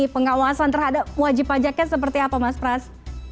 pengawasan terhadap wajib pajaknya seperti apa mas pras